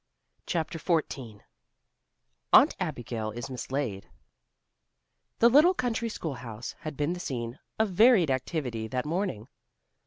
CHAPTER XIV AUNT ABIGAIL IS MISLAID The little country schoolhouse had been the scene of varied activity that morning.